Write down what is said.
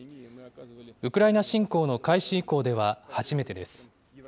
ウクライナ侵攻の開始以降では初めてです。